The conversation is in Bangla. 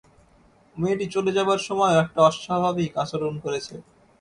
মেয়েটি চলে যাবার সময়ও একটা অস্বাভাবিক আচরণ করেছে।